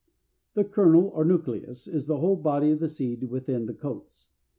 =The Kernel, or Nucleus=, is the whole body of the seed within the coats.